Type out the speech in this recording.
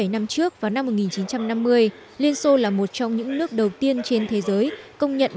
bảy năm trước vào năm một nghìn chín trăm năm mươi liên xô là một trong những nước đầu tiên trên thế giới công nhận